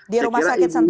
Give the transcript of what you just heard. di rumah sakit sentosa ya